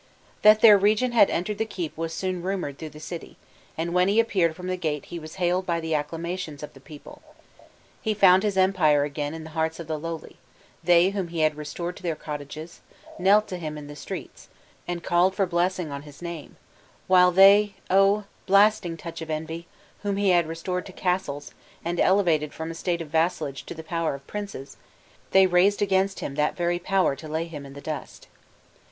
That their regent had entered the keep was soon rumored through the city; and when he appeared from the gate he was hailed by the acclamations of the people. He found his empire again in the hearts of the lowly, they whom he had restored to their cottages, knelt to him in the streets, and called for blessings on his name; while they oh! blasting touch of envy! whom he had restored to castles, and elevated from a state of vassalage to the power of princes, they raised against him that very power to lay him in the dust.